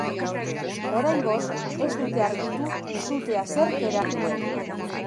Oraingoz ez dute argitu sutea zerk eragin duen.